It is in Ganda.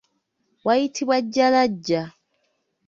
Wayitibwa Jjalaja.